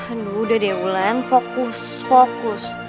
aduh udah deh ulan fokus fokus